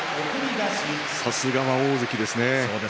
さすがは大関ですね。